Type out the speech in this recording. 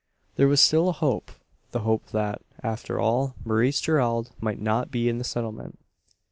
There was still a hope the hope that, after all, Maurice Gerald might not be in the Settlement.